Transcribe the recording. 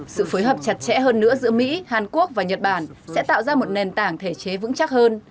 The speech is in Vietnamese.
sự phối hợp chặt chẽ hơn nữa giữa mỹ hàn quốc và nhật bản sẽ tạo ra một nền tảng thể chế vững chắc hơn